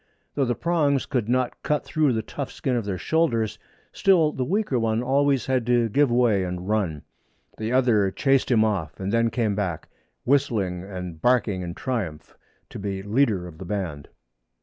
Though the prongs could not cut through the tough skin of their shoulders, still the weaker one always had to give way and run. The other chased him off and then came back, whistling and barking in triumph, to be leader of the band.